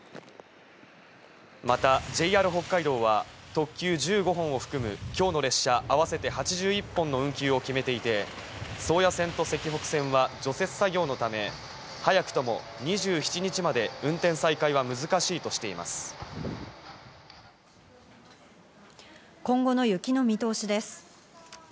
またＪＲ北海道は特急１５本を含む今日の列車合わせて８１本の運休を決めていて、宗谷線と石北線は除雪作業のため早くとも２７日まで運転再開は難今後の雪の見通しです。